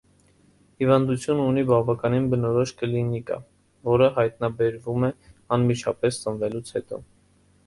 Հիվանդությունը ունի բավականին բնորոշ կլինիկա, որը հայտնաբերվում է անմիջապես ծնվելուց հետո։